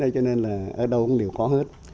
cho nên là ở đâu cũng đều có hết